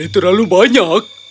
ini terlalu banyak